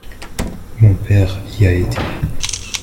Mon père y a été.